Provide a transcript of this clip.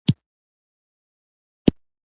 د خدای د پېژندنې لپاره عقل او علم دواړه پکار دي.